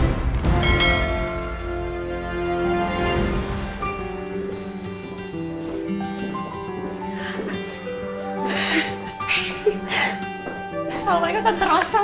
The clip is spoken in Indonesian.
assalamualaikum tante rossa